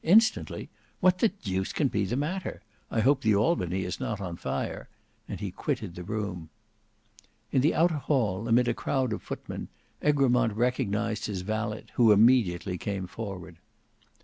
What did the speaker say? Instantly! What the deuce can be the matter? I hope the Albany is not on fire," and he quitted the room. In the outer hall, amid a crowd of footmen, Egremont recognized his valet who immediately came forward.